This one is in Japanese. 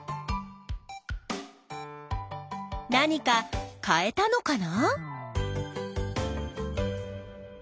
何か変えたのかな？